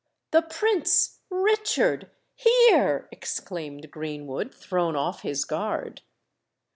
"The Prince—Richard—here!" exclaimed Greenwood, thrown off his guard.